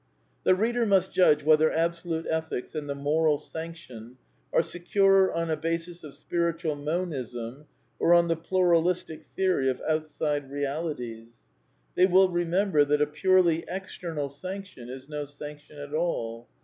The reader must judge whether Absolute Ethics and the moral sanction are securer on a basis of Spiritual Monism or on the Pluralistic theory of " outside " real ities. They wiU remember that a purely external sanc tion is no sanction at all.